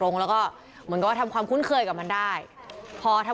นี่นี่นี่นี่